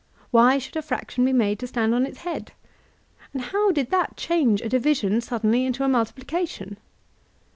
Why should a fraction be made to stand on its head? and how did that change a division suddenly into a multiplication?"